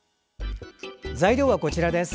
材料はこちらです。